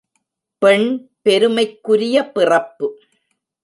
பெண் பெருமைக்குரிய பிறப்பு.